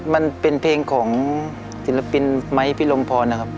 มันเป็นเพลงของศิลปินไม้พิรมพรนะครับ